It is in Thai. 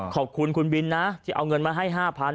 ขอบคุณคุณบินนะที่เอาเงินมาให้๕๐๐